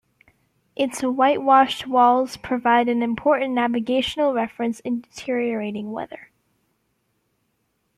Its whitewashed walls provide an important navigational reference in deteriorating weather.